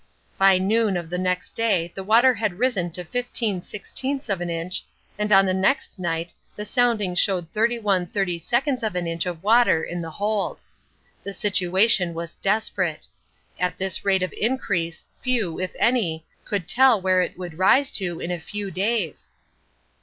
By noon of the next day the water had risen to fifteen sixteenths of an inch, and on the next night the sounding showed thirty one thirty seconds of an inch of water in the hold. The situation was desperate. At this rate of increase few, if any, could tell where it would rise to in a few days.